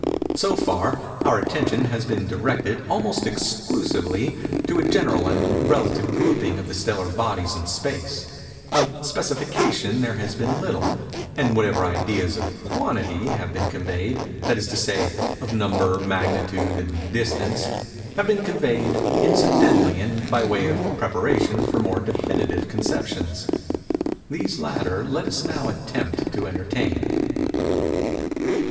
So far, our attention has been directed, almost exclusively, to a general and relative grouping of the stellar bodies in space. Of specification there has been little; and whatever ideas of quantity have been conveyed—that is to say, of number, magnitude, and distance—have been conveyed incidentally and by way of preparation for more definitive conceptions. These latter let us now attempt to entertain.